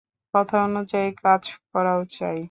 কথা অনুযায়ী কাজ করা চাই।